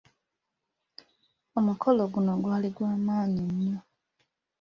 Omukolo guno gwali gwa maanyi nnyo.